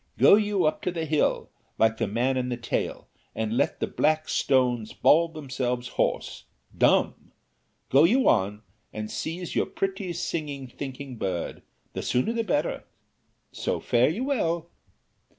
Go you up the hill, like the man in the tale, and let the black stones bawl themselves hoarse dumb. Go you on, and seize your pretty singing thinking bird the sooner the better. So fare you well."